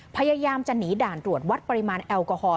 พยายามจะหนีด่านตรวจวัดปริมาณแอลกอฮอล